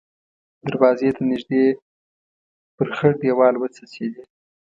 دروازې ته نږدې پر خړ دېوال وڅڅېدې.